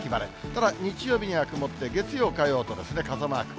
ただ、日曜日には曇って、月曜、火曜と、傘マーク。